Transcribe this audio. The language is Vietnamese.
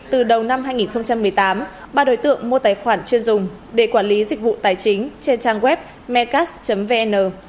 từ đầu năm hai nghìn một mươi tám ba đối tượng mua tài khoản chuyên dùng để quản lý dịch vụ tài chính trên trang web mecast vn